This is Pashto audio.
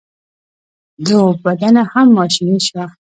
د اوبدنه هم ماشیني شوه.